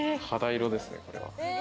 肌色ですね、これは。